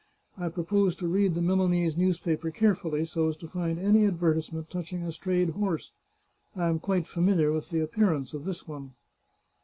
I propose to read the Milanese newspaper carefully, so as to find any advertisement touch ing a strayed horse. I am quite familiar with the appearance of this one."